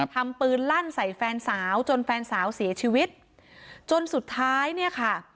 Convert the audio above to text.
ทำปืนลั่นใส่แฟนสาวจนแฟนสาวเสียชีวิตจนสุดท้ายเนี่ยค่ะ